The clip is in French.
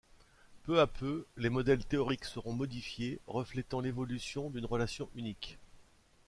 Peu à peu, les modèles théoriques seront modifiés, reflétant l'évolution d'une relation unique.